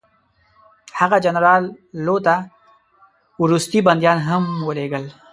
هغه جنرال لو ته وروستي بندیان هم ولېږل.